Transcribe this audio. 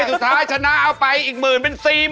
สุโคไทยครับสุโคไทยครับสุโคไทยครับ